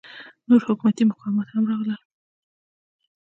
نور حکومتي مقامات هم راغلل.